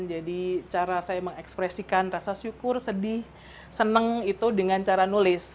jadi cara saya mengekspresikan rasa syukur sedih seneng itu dengan cara nulis